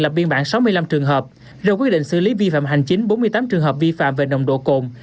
lập biên bản sáu mươi năm trường hợp rồi quyết định xử lý vi phạm hành chính bốn mươi tám trường hợp vi phạm về nồng độ cồn